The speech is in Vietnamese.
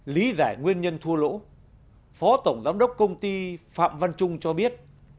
lý giải nguyên nhân thua lỗ phó tổng giám đốc công ty phạm văn trung cho biết